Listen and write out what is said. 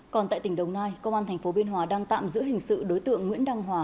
còn tại tỉnh đồng nai công an tp biên hòa đang tạm giữ hình sự đối tượng nguyễn đăng hòa